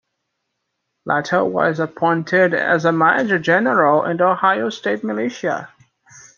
Lytle was appointed as a major general in the Ohio state militia.